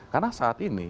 karena saat ini